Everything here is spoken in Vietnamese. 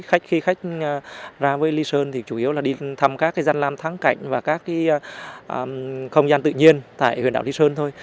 khách khi khách ra với lý sơn thì chủ yếu là đi thăm các gian lam thắng cảnh và các không gian tự nhiên tại huyện đảo lý sơn thôi